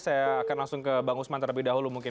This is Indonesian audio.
saya akan langsung ke bang usman terlebih dahulu mungkin